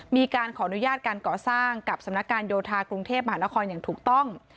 มีการขออนุญาตการก่อสร้างกับสำนักการโยธากรุงเทพมหานครอย่างถูกต้อง